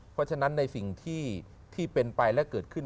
เพราะฉะนั้นในสิ่งที่เป็นไปและเกิดขึ้น